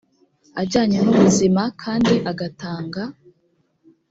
ajyanye n’ubuzima kandi agatang